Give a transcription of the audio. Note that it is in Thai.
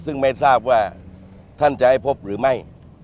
ซึ่งไม่ทราบว่าท่านจะให้พบหรือไม่